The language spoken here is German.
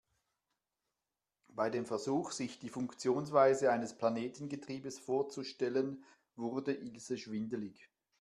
Bei dem Versuch, sich die Funktionsweise eines Planetengetriebes vorzustellen, wurde Ilse schwindelig.